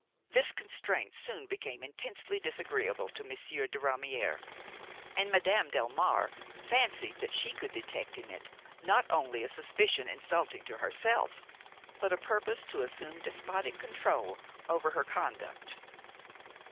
This constraint soon became intensely disagreeable to Monsieur de Ramière, and Madame Delmare fancied that she could detect in it not only a suspicion insulting to herself, but a purpose to assume despotic control over her conduct.